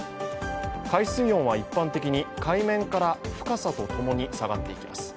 海水温は一般的に海面から深さと共に下がっていきます。